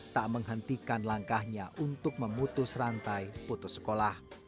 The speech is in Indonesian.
tak menghentikan langkahnya untuk memutus rantai putus sekolah